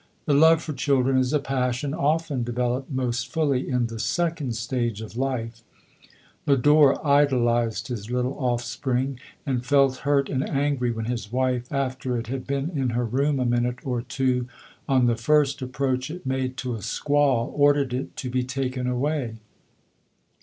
The love for children is a passion often developed most fully in the second stage of life. Lodore idolized his little offspring, and felt hurt and angry when his wife, after it had been in her room a minute or two, on the first approach it made to a squall, ordered it to be taken away.